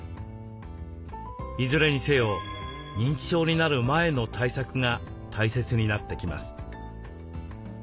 いずれにせよ認知症になる前の対策が大切になってきます。